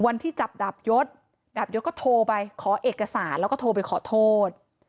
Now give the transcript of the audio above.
วันที่จับดาบยศดาบยศก็โทรไปขอเอกสารแล้วก็โทรไปขอโทษ